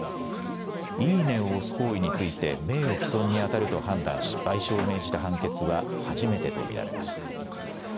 いいねを押す行為について名誉毀損にあたると判断し賠償を命じた判決は初めてと見られます。